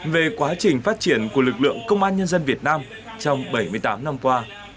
về quá trình phát triển của lực lượng công an nhân dân việt nam trong bảy mươi tám năm qua